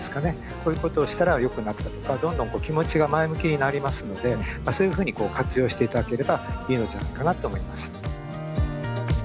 こういうことをしたらよくなったとかどんどん気持ちが前向きになりますのでそういうふうに活用していただければいいのじゃないかなと思います。